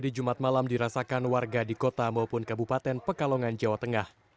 di jumat malam dirasakan warga di kota maupun kabupaten pekalongan jawa tengah